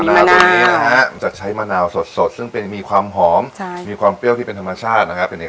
มะนาวตรงนี้นะฮะมันจะใช้มะนาวสดซึ่งมีความหอมมีความเปรี้ยวที่เป็นธรรมชาตินะฮะ